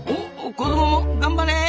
子どもも頑張れ。